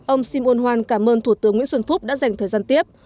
ông simun hoan cảm ơn thủ tướng nguyễn xuân phúc đã dành thời gian tiếp